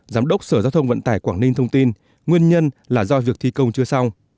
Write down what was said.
giám đốc sở giao thông vận tải quảng ninh thông tin nguyên nhân là do việc thi công chưa xong